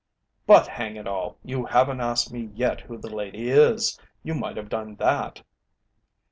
"But hang it all, you haven't asked me yet who the lady is! You might have done that."